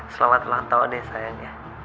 selamat lantau deh sayangnya